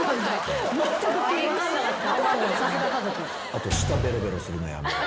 あと舌ベロベロするのやめろ。